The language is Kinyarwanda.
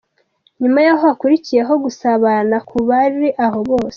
Nyuma yaho hakurikiyeho gusabana ku bari aho bose.